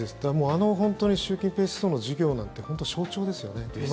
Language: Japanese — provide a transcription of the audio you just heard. あの習近平思想の授業なんて本当に象徴ですよね。